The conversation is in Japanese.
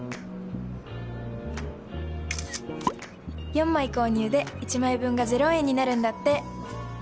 ４枚購入で１枚分が０円になるんだって。